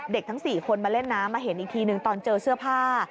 ทั้ง๔คนมาเล่นน้ำมาเห็นอีกทีหนึ่งตอนเจอเสื้อผ้า